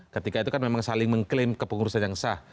ketika itu kan memang saling mengklaim kepengurusan yang sah